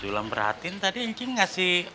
sulam perhatian tadi incing ngasih